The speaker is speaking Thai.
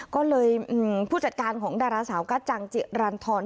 ก็เลยผู้จัดการของดาราสาวกัจจังจิรันทร